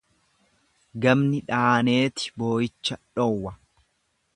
Gamni dhaaneeti boo'icha dhoowwa.